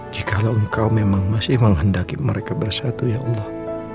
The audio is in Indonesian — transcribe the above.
jikalau engkau memang masih menghendaki mereka bersatu ya allah